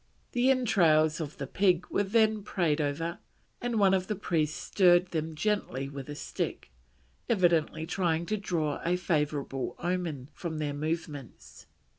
The entrails of the pig were then prayed over, and one of the priests stirred them gently with a stick, evidently trying to draw a favourable omen from their movements.